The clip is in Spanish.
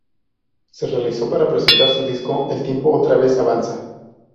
Se realizó para presentar su disco El tiempo otra vez avanza.